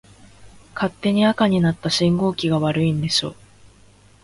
勝手に赤になった信号機が悪いんでしょ。